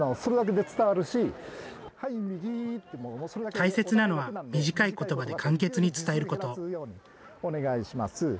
大切なのは、短い言葉で簡潔に伝えること。